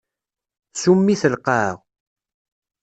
Tsum-it lqaɛa.